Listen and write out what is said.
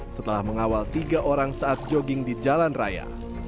setelah mengawal tiga orang saat jogging di jalan raya